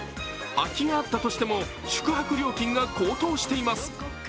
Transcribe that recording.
空きがあったとしても宿泊料金が高騰しています。